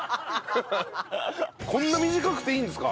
こんな短くていいんですか？